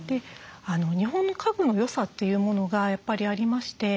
日本の家具の良さというものがやっぱりありまして